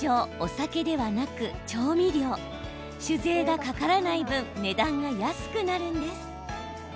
酒税がかからない分値段が安くなるんです。